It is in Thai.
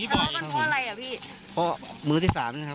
ตอนหลังมูตรอะไรครับพี่